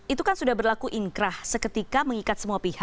itu kan sudah berlaku inkrah